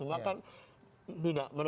mereka kan tidak mungkin bisa sendiri